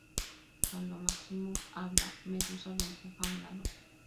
Cuando Maximus habla, Medusa lo empuja a un lado.